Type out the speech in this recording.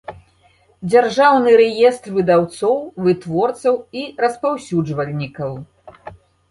Дзяржаўны рэестр выдаўцоў, вытворцаў i распаўсюджвальнiкаў.